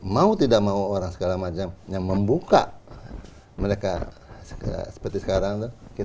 mau tidak mau orang segala macam yang membuka mereka seperti sekarang